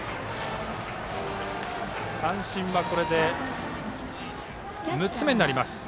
三振はこれで６つ目になります。